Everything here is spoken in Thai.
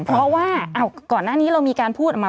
เพราะว่าก่อนหน้านี้เรามีการพูดออกมา